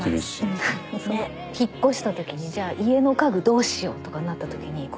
引っ越したときにじゃあ家の家具どうしよう？とかになったときに。